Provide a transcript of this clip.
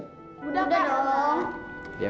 udah pak jelang